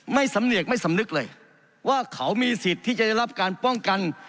สำเนียกไม่สำนึกเลยว่าเขามีสิทธิ์ที่จะได้รับการป้องกัน